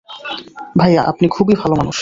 ভাইয়া, আপনি খুবই ভালো মানুষ।